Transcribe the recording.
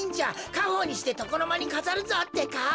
かほうにしてとこのまにかざるぞってか。